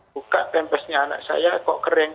buka tempesnya anak saya kok kering